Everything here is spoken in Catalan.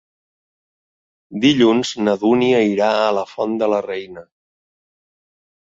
Dilluns na Dúnia irà a la Font de la Reina.